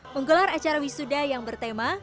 menggelar acara wisuda yang bertema